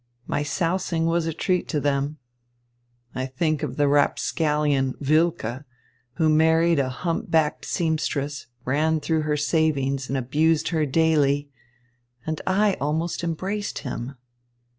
My sousing was a treat to them. I think of the rapscallion, Wilke, who married a humpbacked seamstress, ran through her savings, and abused her daily and I almost embraced him.